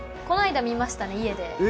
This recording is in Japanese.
この間、家で見ましたね。